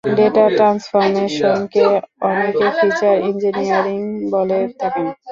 Data ট্রান্সফরমেশনকে অনেকে feature ইঞ্জিনিয়ারিংও বলে থাকেন।